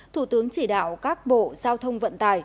thủ tướng chỉ đạo các bộ giao thông vận tải